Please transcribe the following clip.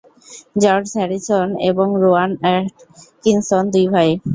George Harrison এবং Rowan Atkinson দুই ভাই।